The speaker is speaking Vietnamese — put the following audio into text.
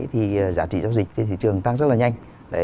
thì giá trị giao dịch trên thị trường tăng rất là nhanh